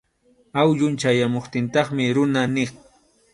Awyun chayamuptintaqmi runa niq.